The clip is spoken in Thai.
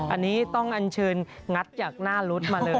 อันนี้ต้องอันเชิญงัดจากหน้ารถมาเลย